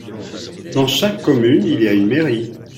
Dans chaque commune il y a une mairie.